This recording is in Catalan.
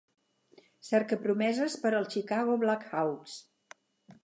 Cercapromeses per als Chicago Blackhawks.